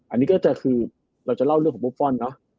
อันนี้ก็จะคือเราจะเล่าเรื่องของบุฟฟอลเนอะ